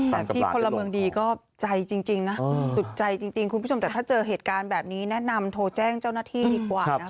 แต่พี่พลเมืองดีก็ใจจริงนะสุดใจจริงคุณผู้ชมแต่ถ้าเจอเหตุการณ์แบบนี้แนะนำโทรแจ้งเจ้าหน้าที่ดีกว่านะคะ